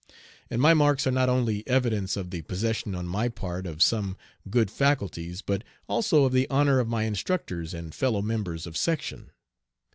And my marks are not only evidence of the possession on my part of some "good faculties," but also of the honor of my instructors and fellow members of section.